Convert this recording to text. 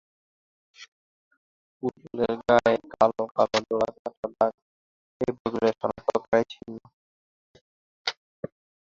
পুতুলের গায়ে লাল-কালো ডোরা কাটা দাগ এই পুতুলের শনাক্তকারী চিহ্ন।